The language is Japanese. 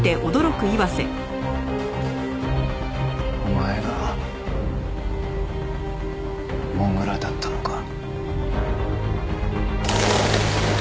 お前が土竜だったのか。